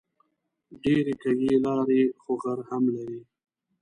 ډېرې کږې لارې خو غر هم لري